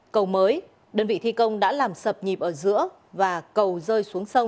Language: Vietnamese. cầu mới đơn vị thi công đã làm sập nhịp ở giữa và cầu rơi xuống sông